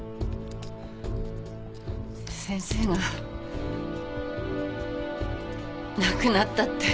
先生が亡くなったって。